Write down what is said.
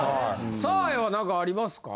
サーヤは何かありますか？